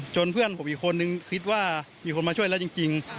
เพื่อนผมอีกคนนึงคิดว่ามีคนมาช่วยแล้วจริง